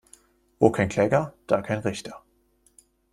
Wo kein Kläger, da kein Richter.